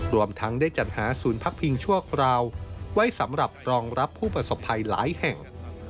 รวมทั้งได้จัดหาศูนย์พักพิงชั่วคราวไว้สำหรับรองรับผู้ประสบภัยหลายแห่ง